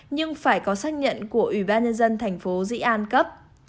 nhưng phải có xác nhận của ủy ban nhân dân thành phố dĩ an cấp